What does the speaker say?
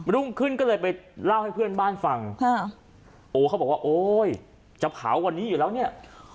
รุ่งขึ้นก็เลยไปเล่าให้เพื่อนบ้านฟังโอ้เขาบอกว่าโอ๊ยจะเผาวันนี้อยู่แล้วเนี่ย